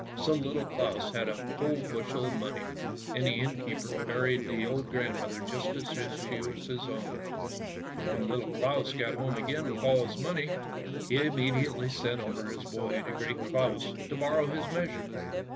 So Little Claus had a whole bushel of money, and the inn keeper buried the old grandmother just as if she had been his own. When Little Claus got home again with all his money, he immediately sent over his boy to Great Claus to borrow his measure.